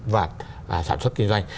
và sản xuất kinh doanh